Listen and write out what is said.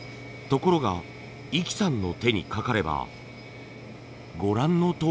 ところが壹岐さんの手にかかればご覧のとおり。